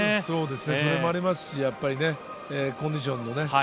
それもありますし、コンディションもね。